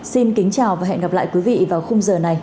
xin kính chào và hẹn gặp lại quý vị vào khung giờ này